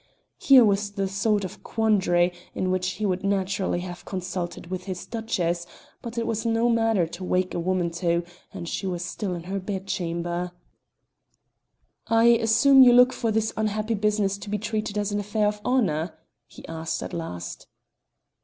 Here was the sort of quandary in which he would naturally have consulted with his Duchess, but it was no matter to wake a woman to, and she was still in her bed chamber. "I assume you look for this unhappy business to be treated as an affair of honour?" he asked at last.